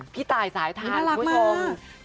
พี่ตายสายทานคุณผู้ชม